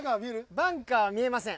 バンカー見えません。